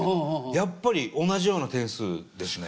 やっぱり同じような点数ですね。